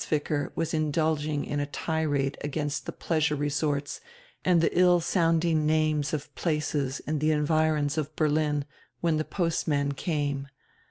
Zwicker was indulging in a tirade against the pleasure resorts and the ill sounding names of places in the environs of Berlin, when the postman came.